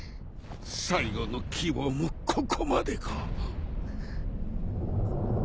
最後の希望もここまでか。